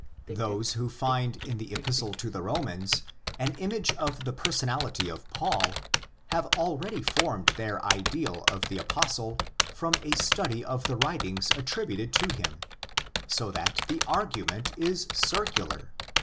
Those who find in the Epistle to the Romans an image of the personality of Paul have already formed their ideal of the Apostle from a study of the writings attributed to him; so that the argument is circular.